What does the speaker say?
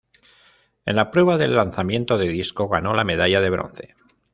En la prueba del lanzamiento de disco ganó la medalla de bronce.